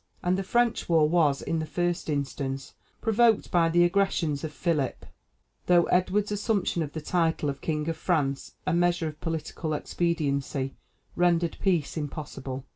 And the French War was in the first instance provoked by the aggressions of Philip, though Edward's assumption of the title of King of France, a measure of political expediency, rendered peace impossible.